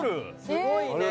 すごいね。